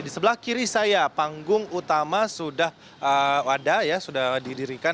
di sebelah kiri saya panggung utama sudah ada ya sudah didirikan